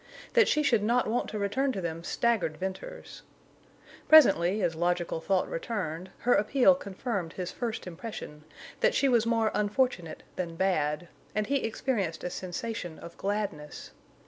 That she should not want to return to them staggered Venters. Presently, as logical thought returned, her appeal confirmed his first impression—that she was more unfortunate than bad—and he experienced a sensation of gladness.